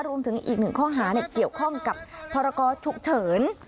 รวมถึงอีกหนึ่งข้อหาเกี่ยวข้องกับพรกรฉุกเฉิน